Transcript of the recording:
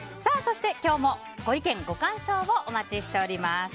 そして今日もご意見、ご感想をお待ちしております。